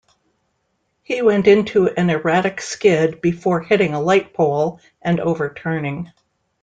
He went into an erratic skid before hitting a light pole and overturning.